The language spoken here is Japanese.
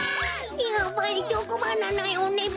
やっぱりチョコバナナよねべ！